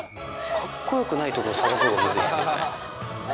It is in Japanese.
かっこよくないところを探すほうがむずいっすね。